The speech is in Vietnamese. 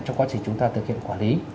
trong quá trình chúng ta thực hiện quản lý